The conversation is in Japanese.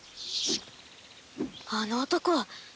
あの男は！